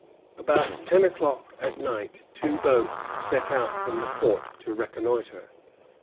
About ten o'clock at night two boats set out from the fort to reconnoitre.